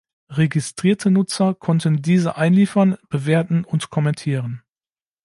Registrierte Nutzer konnten diese einliefern, bewerten und kommentieren.